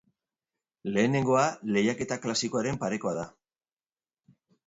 Lehenengoa lehiaketa klasikoaren parekoa da.